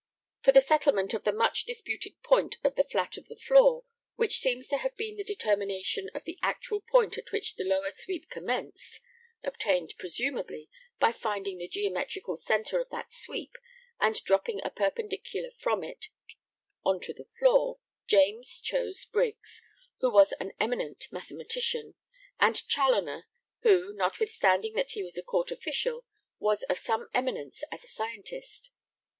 For the settlement of the much disputed point of the flat of the floor, which seems to have been the determination of the actual point at which the lower sweep commenced (obtained, presumably, by finding the geometrical centre of that sweep and dropping a perpendicular from it on to the floor), James chose Briggs, who was an eminent mathematician, and Chaloner, who, notwithstanding that he was a court official, was of some eminence as a scientist.